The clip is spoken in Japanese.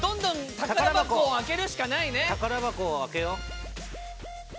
宝箱を開けよう。